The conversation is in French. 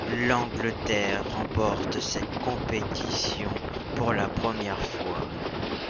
L'Angleterre remporte cette compétition pour la première fois.